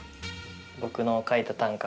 僕の書いた短歌